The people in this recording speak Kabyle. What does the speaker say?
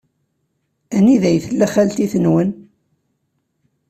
Anida tella xalti-twen?